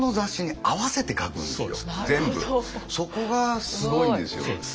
そこがすごいんですよ。